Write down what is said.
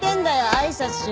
あいさつしな。